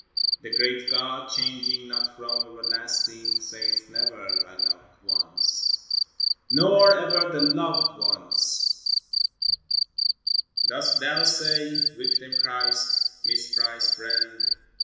The great God, changing not from everlasting, Saith never, Ci I loved once." Nor ever the "Loved Once" Dost Thou say, Victim Christ, misprized friend.